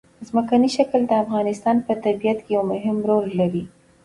ځمکنی شکل د افغانستان په طبیعت کې یو مهم رول لري.